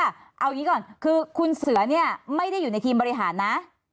เอาอย่างนี้ก่อนคือคุณเสือเนี่ยไม่ได้อยู่ในทีมบริหารนะ